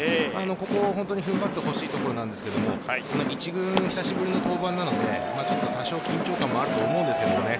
ここは踏ん張ってほしいところなんですが１軍、久しぶりの登板なのでちょっと緊張感もあると思うんですよね。